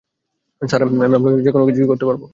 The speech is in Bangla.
স্যার, আমি আপনার জন্য যে কোনো কিছুই করতে পারব!